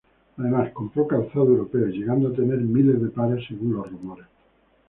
Además compró calzado europeo, llegando a tener miles de pares según los rumores.